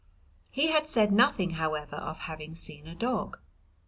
He had said nothing, however, of having seen a dog.